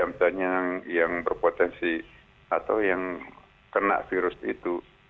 misalnya yang berpotensi atau yang kena virus itu